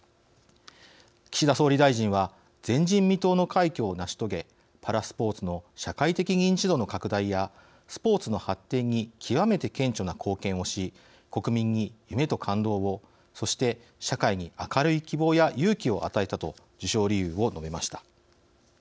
岸田総理大臣は「前人未到の快挙を成し遂げパラスポーツの社会的認知度の拡大やスポーツの発展に極めて顕著な貢献をし国民に夢と感動を、そして社会に明るい希望や勇気を与えた」と授賞理由を述べました。